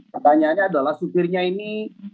pertanyaannya adalah supirnya ini